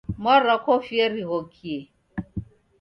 Mwarwa kofia righokie